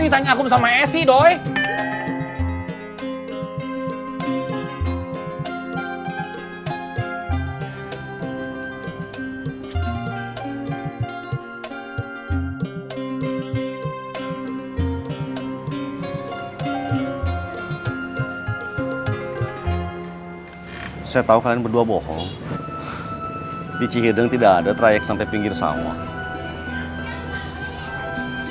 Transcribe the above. itu kan ceritanya aku sama esy doi